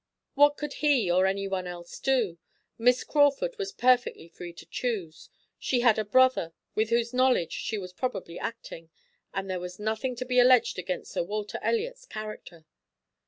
What could he or anyone else do? Miss Crawford was perfectly free to choose; she had a brother, with whose knowledge she was probably acting, and there was nothing to be alleged against Sir Walter Elliot's character.